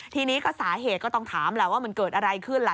ทีนี้ก็สาเหตุก็ต้องถามแหละว่ามันเกิดอะไรขึ้นล่ะ